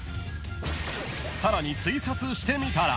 ［さらにツイサツしてみたら］